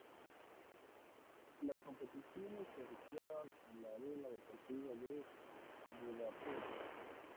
Las competiciones se efectuaron en la Arena Deportiva de Budapest.